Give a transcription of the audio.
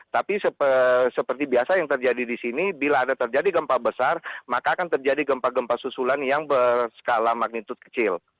tapi seperti biasa yang terjadi di sini bila ada terjadi gempa besar maka akan terjadi gempa gempa susulan yang berskala magnitud kecil